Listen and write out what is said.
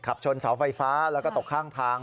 ขับชนเสาไฟฟ้าแล้วก็ตกข้างทาง